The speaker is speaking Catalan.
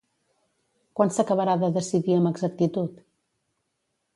Quan s'acabarà de decidir amb exactitud?